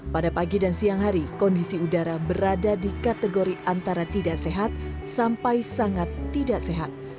pada pagi dan siang hari kondisi udara berada di kategori antara tidak sehat sampai sangat tidak sehat